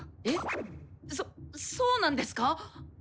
えっそそうなんですか